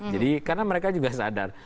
jadi karena mereka juga sadar